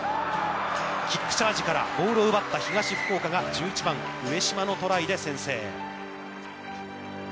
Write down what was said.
キックチャージからボールを奪った東福岡が１１番上嶋のトライで先制。